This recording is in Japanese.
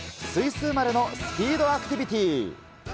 スイス生まれのスピードアクティビティー。